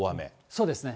そうですね。